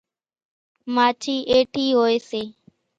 ماڇِي ايٺِي هوئيَ سي۔